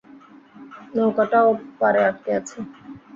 নৌকাটাও পাড়ে আটকে আছে।